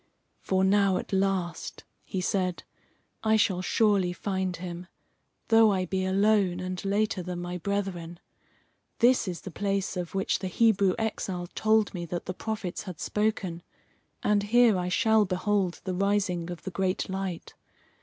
"For now at last," he said, "I shall surely find him, though I be alone, and later than my brethren. This is the place of which the Hebrew exile told me that the prophets had spoken, and here I shall behold the rising of the great light.